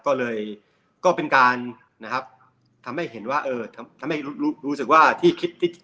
ก็เลยก็เป็นการนะครับทำให้เห็นว่าเออทำให้รู้สึกว่าที่คิดที่